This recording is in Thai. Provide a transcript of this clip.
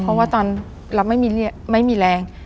เพราะว่าตอนเราไม่มีแรง